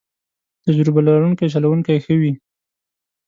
تجربه لرونکی چلوونکی ښه وي.